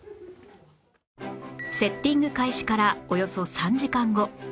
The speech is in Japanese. セッティング開始からおよそ３時間後